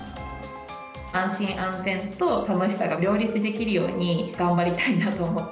安心安全と楽しさが両立できるように、頑張りたいなと思って